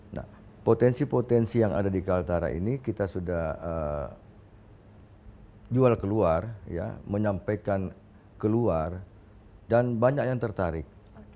nah potensi potensi yang ada di kaltara ini kita sudah jual keluar ya menyampaikan keluar dan banyak yang tertarik